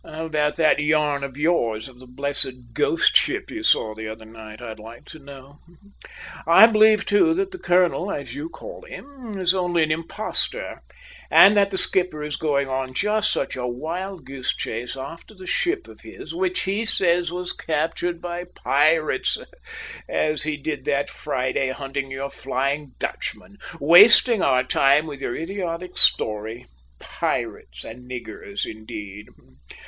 "How about that yarn of yours of the blessed `ghost ship' you saw the other night, I'd like to know. I believe, too, that the colonel, as you call him, is only an impostor and that the skipper is going on just such a wild goose chase after this ship of his, which he says was captured by pirates, as he did that Friday hunting your Flying Dutchman! wasting our time with your idiotic story. Pirates and niggers, indeed!